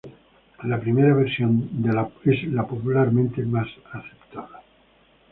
La primera versión es la popularmente más aceptada.